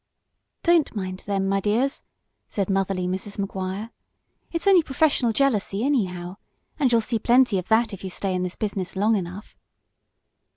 "Don't mind them, my dears," said motherly Mrs. Maguire. "It's only professional jealousy, anyhow; and you'll see plenty of that if you stay in this business long enough."